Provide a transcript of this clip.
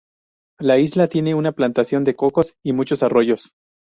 La isla tiene una plantación de cocos y muchos arroyos.